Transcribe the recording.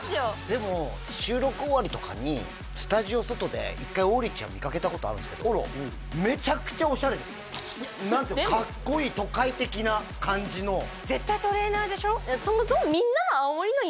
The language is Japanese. でも収録終わりとかにスタジオ外で一回王林ちゃん見かけたことあるんですけど何ていうのかっこいい都会的な感じの絶対トレーナーでしょ？